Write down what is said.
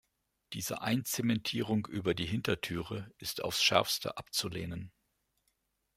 Diese Einzementierung über die Hintertüre ist aufs Schärfste abzulehnen.